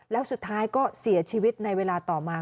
แล้วสุดท้ายก็เสียชีวิตในเวลาต่อมา